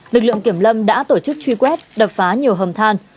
lực lượng kiểm lâm đã tổ chức truy quét đập phá nhiều hầm than